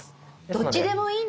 どっちでもいいんだ。